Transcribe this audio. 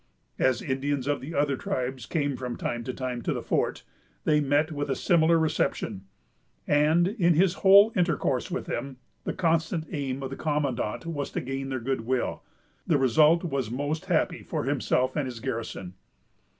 As Indians of the other tribes came from time to time to the fort, they met with a similar reception; and, in his whole intercourse with them, the constant aim of the commandant was to gain their good will. The result was most happy for himself and his garrison.